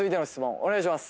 お願いします。